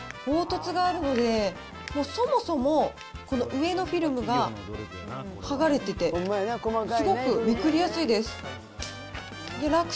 凹凸があるので、そもそも、この上のフィルムが剥がれてて、すごくめくりやすいです。